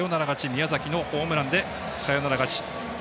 宮崎のホームランでサヨナラ勝ち。